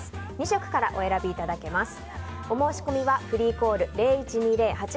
２色からお選びいただけます。